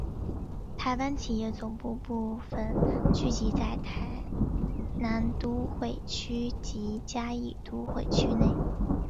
台湾企业总部部份聚集在台南都会区及嘉义都会区内。